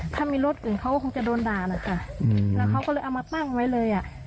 ถ้ามีรถอื่นเขาก็คงจะโดนด่าแหละจ้ะแล้วเขาก็เลยเอามาตั้งไว้เลยอ่ะ